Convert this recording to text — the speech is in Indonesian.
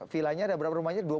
vilanya ada berapa rumahnya